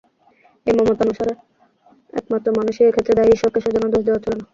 এই মতানুসারে একমাত্র মানুষই এক্ষেত্রে দায়ী, ঈশ্বরকে সেইজন্য দোষ দেওয়া চলে না।